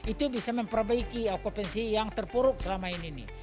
itu bisa memperbaiki okupansi yang terpuruk selama ini